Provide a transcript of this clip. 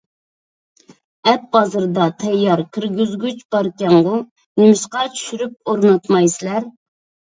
ئەپ بازىرىدا تەييار كىرگۈزگۈچ باركەنغۇ؟ نېمىشقا چۈشۈرۈپ ئورناتمايسىلەر؟